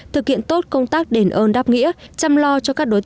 thực hiện tốt công tác đền ơn đáp nghĩa chăm lo cho các đối tượng